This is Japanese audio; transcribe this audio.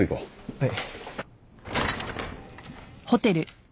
はい。